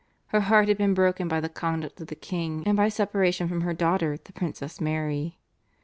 Her heart had been broken by the conduct of the king and by separation from her daughter the Princess Mary.